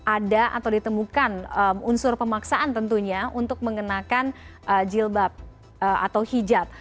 ada atau ditemukan unsur pemaksaan tentunya untuk mengenakan jilbab atau hijab